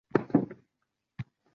Men otam farzandiman